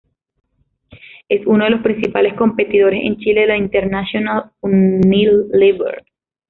Es uno de los principales competidores en Chile de la internacional Unilever.